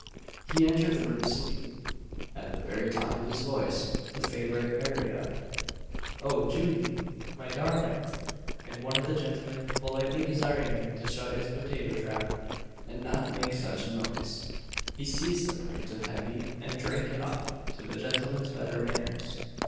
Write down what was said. He entered the room singing, at the very top of his voice, the favourite aria, "Oh, Judy! my darling!" and one of the gentlemen politely desiring him to shut his potato trap, and not make such a noise, he seized a pint of heavy and drank it off to the gentleman's better manners.